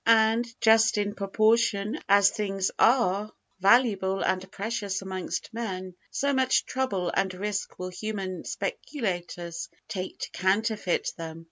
and, just in proportion as things are valuable and precious amongst men, so much trouble and risk will human speculators take to counterfeit them.